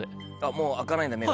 もう開かないんだ目が。